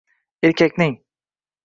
erkakning.